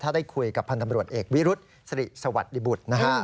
ถ้าได้คุยกับพันธ์ตำรวจเอกวิรุษสริสวัสดิบุตรนะฮะ